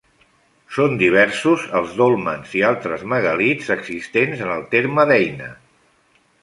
Són diversos els dòlmens i altres megàlits existents en el terme d'Eina.